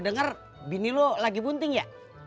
dan berhati hati ya